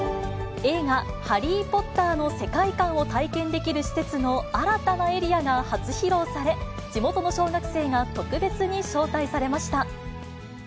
映画、ハリー・ポッターの世界観を体験できる施設の新たなエリアが初披露され、地元の小学生が特別に招待されました。